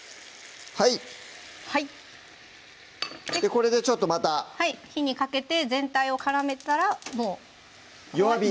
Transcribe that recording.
これでちょっとまたはい火にかけて全体を絡めたら弱火？